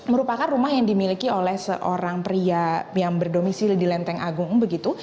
merupakan rumah yang dimiliki oleh seorang pria yang berdomisili di lenteng agung begitu